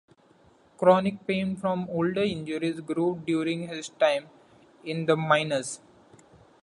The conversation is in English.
Chronic pain from older injuries grew during his time in the minors.